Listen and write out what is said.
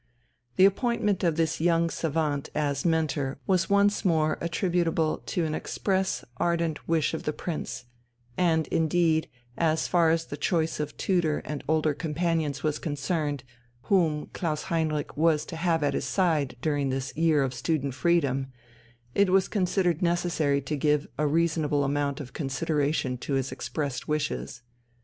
The appointment of this young savant as mentor was once more attributable to an express, ardent wish of the Prince, and indeed, as far as the choice of tutor and older companions was concerned, whom Klaus Heinrich was to have at his side during this year of student freedom, it was considered necessary to give a reasonable amount of consideration to his expressed wishes.